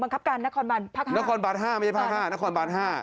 กบกนคบหไม่ใช่พหนคบห